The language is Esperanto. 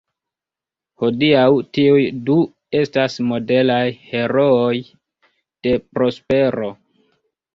Hodiaŭ tiuj du estas modelaj herooj de prospero.